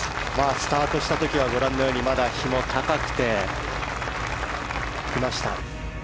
スタートした時は、ご覧のようにまだ日も高かったです。